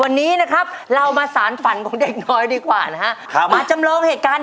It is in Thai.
โอ๊ยนี่เหนือความคาดหมายมาก